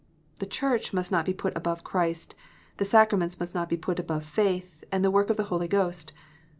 The Church must not be put above Christ ; the sacraments must not be put above faith and the work of the Holy Ghost.